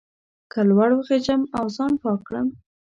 که لوړ وخېژم او ځان پاک کړم.